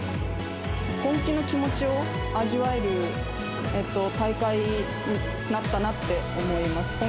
本気の気持ちを味わえる大会になったなって思います。